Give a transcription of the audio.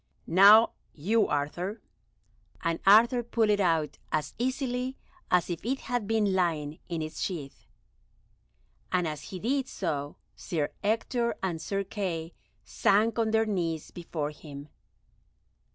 "Now you, Arthur," and Arthur pulled it out as easily as if it had been lying in its sheath, and as he did so Sir Ector and Sir Kay sank on their knees before him.